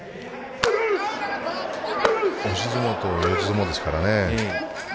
押し相撲と四つ相撲ですからね。